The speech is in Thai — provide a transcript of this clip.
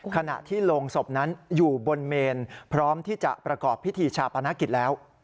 ขณะที่โรงศพนั้นอยู่บนเมนพร้อมที่จะประกอบพิธีชาปนกิจแล้ว